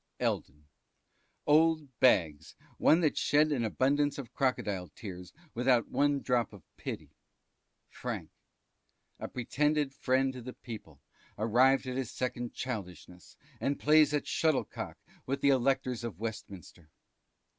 Eldon. Old Bags, one that shed an abundance of crocodile tears without one drop of pity. Frank. A pretended friend to the people, arrived at his second childishness, and plays at Shuttlecock with the Electors of Westminster.